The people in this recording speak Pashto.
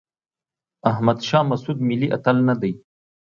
احمد شاه مسعود ملي اتل نه دی.